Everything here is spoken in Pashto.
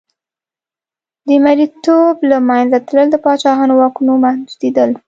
د مریتوب له منځه تلل د پاچاهانو واکونو محدودېدل.